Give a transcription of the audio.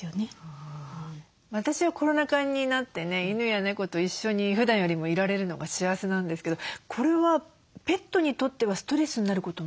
私はコロナ禍になってね犬や猫と一緒にふだんよりもいられるのが幸せなんですけどこれはペットにとってはストレスになることもあるんですかね？